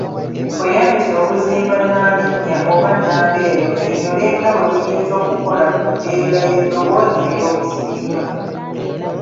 Weeyambise obuzimba nnalinnya oba nnambeera onnyonnyole nga bwe buyinza okukola ku ndeega y’eddoboozi ey’obusimba.